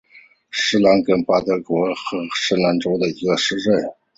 施兰根巴德是德国黑森州的一个市镇。